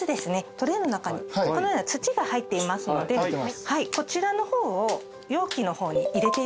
トレーの中にこのような土が入っていますのでこちらの方を容器の方に入れていただきます。